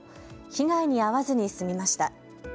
被害に遭わずに済みました。